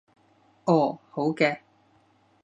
哦，好嘅